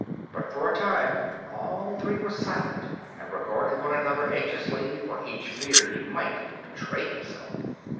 But for a time all three were silent, and regarded one another anxiously, for each feared he might betray himself.